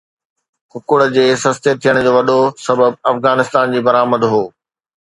ڪڪڙ جي سستي ٿيڻ جو وڏو سبب افغانستان جي برآمد هو